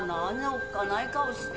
おっかない顔して。